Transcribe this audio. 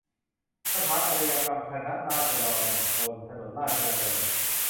สถาปัตยกรรมคณะราษฎรบนถนนราชดำเนิน